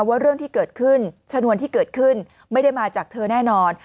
ว่าเรื่องที่เกิดขึ้นชนวนที่เกิดขึ้นไม่ได้มาจากเธอแน่นอน